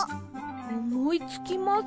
おもいつきません。